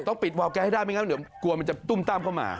ต้องปิดวาวแก๊สให้ได้ไม่งั้นกลัวมันจะตุ้มตั้งเข้ามา